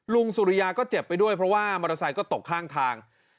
สุริยาก็เจ็บไปด้วยเพราะว่ามอเตอร์ไซค์ก็ตกข้างทาง